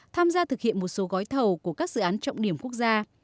tham gia thực hiện một số gói thầu của các dự án trọng điểm quốc gia